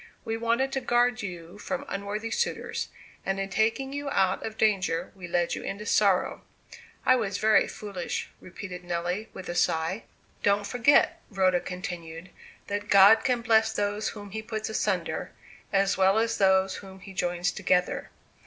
We wanted to guard you from unworthy suitors; and in taking you out of danger, we led you into sorrow." "I was very foolish," repeated Nelly, with a sigh. "Don't forget," Rhoda continued, "that God can bless those whom He puts asunder, as well as those whom He joins together.